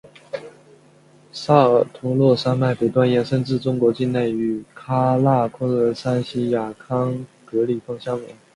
萨尔托洛山脉北端延伸至中国境内与喀喇昆仑山锡亚康戈里峰相连。